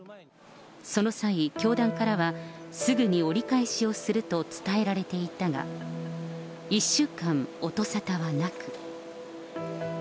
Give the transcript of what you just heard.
その際、教団からは、すぐに折り返しをすると伝えられていたが、１週間、音沙汰はなく。